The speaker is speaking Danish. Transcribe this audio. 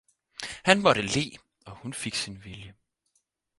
han måtte le og hun fik sin vilje.